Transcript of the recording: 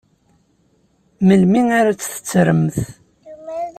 Melmi ara tt-tettremt?